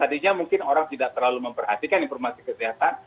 tadinya mungkin orang tidak terlalu memperhatikan informasi kesehatan